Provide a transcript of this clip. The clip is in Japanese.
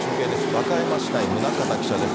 和歌山市内、宗像記者です。